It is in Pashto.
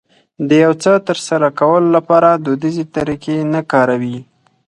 د يو څه ترسره کولو لپاره دوديزې طريقې نه کاروي.